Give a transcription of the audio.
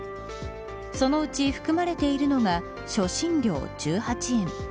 そのうち含まれているのが初診料１８円。